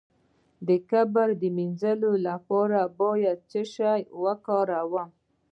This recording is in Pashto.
د کبر د مینځلو لپاره باید څه شی وکاروم؟